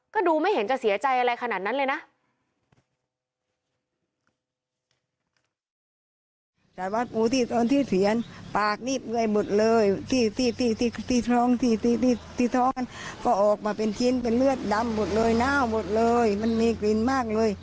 ก็ดูไม่เห็นจะเสียใจอะไรขนาดนั้นเลยนะ